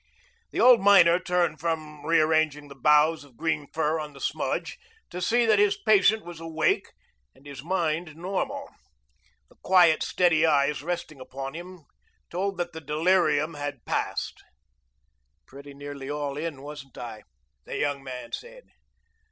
The old miner turned from rearranging the boughs of green fir on the smudge to see that his patient was awake and his mind normal. The quiet, steady eyes resting upon him told that the delirium had passed. "Pretty nearly all in, wasn't I?" the young man said.